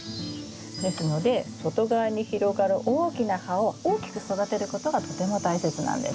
ですので外側に広がる大きな葉を大きく育てることがとても大切なんです。